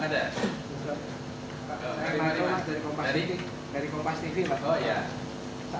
jadi dari kompas tv